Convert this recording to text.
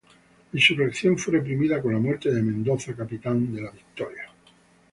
La insurrección fue reprimida con la muerte de Mendoza, capitán de la "Victoria".